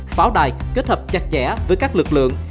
pháo đài kết hợp chặt chẽ với các lực lượng